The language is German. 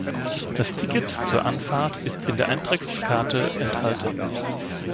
Das Ticket zur Anfahrt ist in der Eintrittskarte enthalten.